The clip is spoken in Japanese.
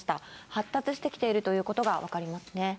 発達してきているということが分かりますね。